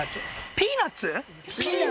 ピーナッツ？